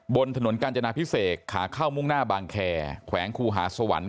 บนถนนกาญจนาพิเศษขาเข้ามุ่งหน้าบางแคร์แขวงคูหาสวรรค์